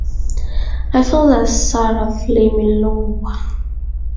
I feel that's sort of lame and low.